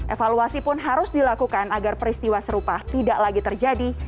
evaluasi pun harus dilakukan agar peristiwa serupa tidak lagi terjadi